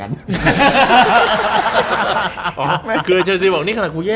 กายด้วย